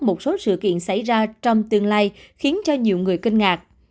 một số sự kiện xảy ra trong tương lai khiến cho nhiều người kinh ngạc